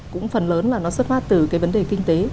cũng phần lớn là nó xuất phát từ cái vấn đề kinh tế